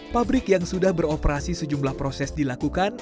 pabrik yang sudah beroperasi sejumlah proses dilakukan